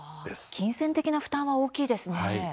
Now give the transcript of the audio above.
金銭的な負担は大きいですね。